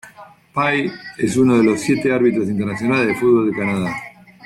Pye es uno de los siete árbitros internacionales de fútbol en Canadá.